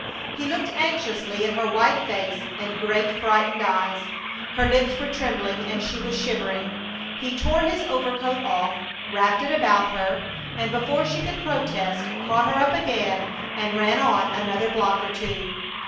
He looked anxiously at her white face and great, frightened eyes. Her lips were trembling and she was shivering. He tore his overcoat off, wrapped it about her, and before she could protest caught her up again and ran on another block or two.